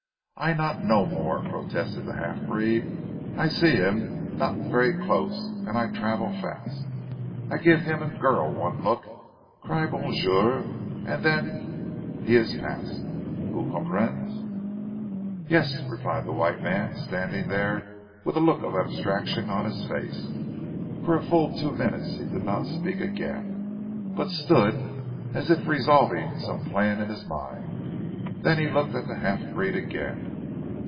"I not know more," protested the half breed. "I see heem not ver' close; an' I travel fast. I give heem an' girl one look, cry bonjour! an' then he is past. Vous comprenez?" "Yes," replied the white man standing there with a look of abstraction on his face. For a full two minutes he did not speak again, but stood as if resolving some plan in his mind, then he looked at the half breed again.